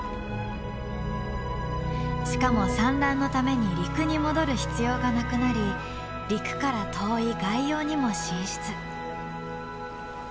しかも産卵のために陸に戻る必要がなくなり陸から遠い外洋にも進出。